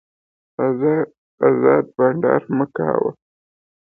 ازاد بانډار مو کاوه.